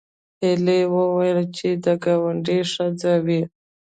هیلې وویل چې د ګاونډي ښځې وې